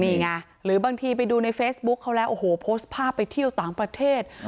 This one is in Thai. นี่ไงหรือบางทีไปดูในเฟซบุ๊คเขาแล้วโอ้โหโพสต์ภาพไปเที่ยวต่างประเทศ